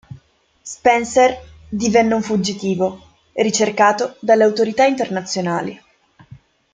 Spencer divenne un fuggitivo, ricercato dalle autorità internazionali.